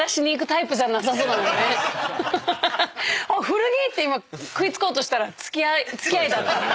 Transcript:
古着⁉って今食い付こうとしたら付き合いだったね。